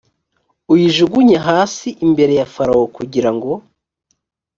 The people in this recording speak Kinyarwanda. uyijugunye hasi imbere ya farawo kugira ngo